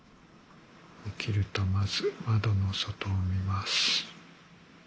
起きるとまず窓の外を見ます。